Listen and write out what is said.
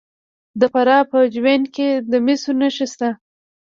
د فراه په جوین کې د مسو نښې شته.